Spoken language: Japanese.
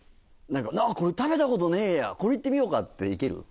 これ食べたことねえやこれ行ってみようかって行ける？